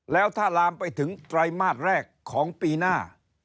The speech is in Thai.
แล้วถ้าลามไปถึงไตรมาสแรกของปีหน้า